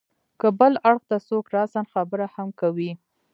که بل اړخ ته څوک راسا خبره هم کوي.